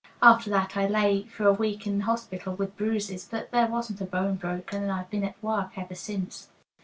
After that I lay for a week in the hospital with bruises, but there wasn't a bone broken, and I've been at work ever since."